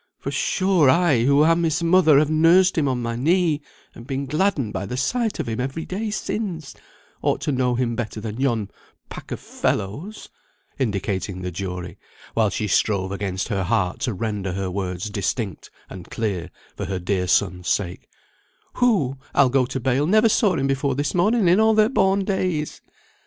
For sure, I, who am his mother, and have nursed him on my knee, and been gladdened by the sight of him every day since, ought to know him better than yon pack of fellows" (indicating the jury, while she strove against her heart to render her words distinct and clear for her dear son's sake) "who, I'll go bail, never saw him before this morning in all their born days.